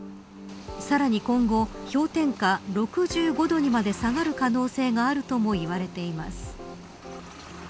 さらに今後、氷点下６５度にまで下がる可能性があるともいわれています。